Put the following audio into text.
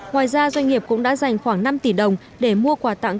ngoài ra doanh nghiệp cũng đã dành khoảng năm tỷ đồng để mua quà tặng